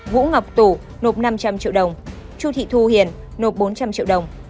vũ ngọc tủ nộp năm trăm linh triệu đồng chu thị thu hiền nộp bốn trăm linh triệu đồng